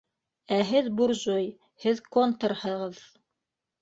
Ә һеҙ буржуй, һеҙ контрһығыҙ.